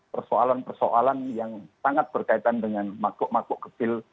persoalan persoalan yang sangat berkaitan dengan makuk makuk kecil